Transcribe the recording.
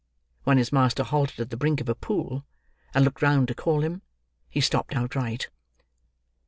When his master halted at the brink of a pool, and looked round to call him, he stopped outright.